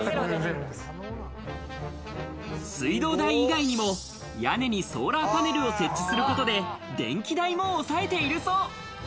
水道代以外にも屋根にソーラーパネルを設置することで電気代も抑えているそう。